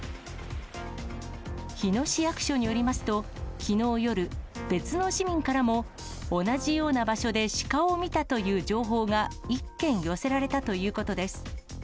日野市役所によりますと、きのう夜、別の市民からも、同じような場所でシカを見たという情報が１件寄せられたということです。